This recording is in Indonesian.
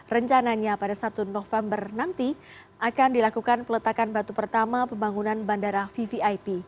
rencananya pada satu november nanti akan dilakukan peletakan batu pertama pembangunan bandara vvip